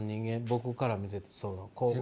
僕から見ててそう。